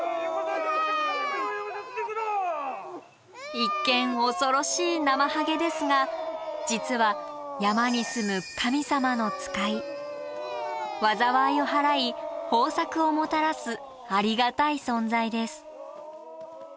一見恐ろしいナマハゲですが実は山に住む災いをはらい豊作をもたらすありがたい存在です。